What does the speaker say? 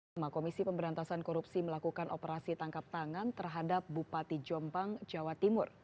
sama komisi pemberantasan korupsi melakukan operasi tangkap tangan terhadap bupati jombang jawa timur